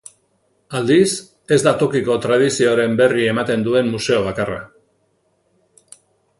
Aldiz, ez da tokiko tradizioaren berri ematen duen museo bakarra.